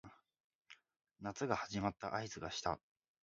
夏が始まった合図がした